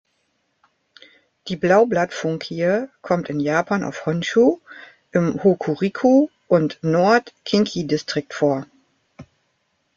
Die Blaublatt-Funkie kommt in Japan auf Honshū im Hokuriku- und Nord-Kinki-Distrikt vor.